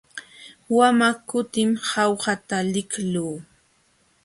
Wamaq kutim Jaujata liqluu.